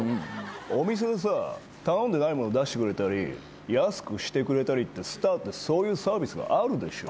お店でさ頼んでないもの出してくれたり安くしてくれたりってスターってそういうサービスがあるでしょ。